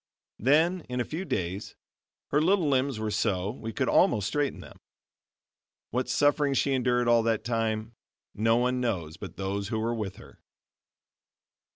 Then in a few days her little limbs were so we could almost straighten them. What suffering she endured all that time, no one knows but those who were with her.